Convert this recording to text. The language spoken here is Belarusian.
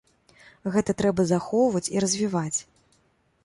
Гэта трэба захоўваць і развіваць.